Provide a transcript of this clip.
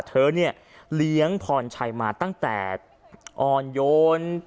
เธอเนี่ยเลี้ยงพรชัยมาตั้งแต่อ่อนโยน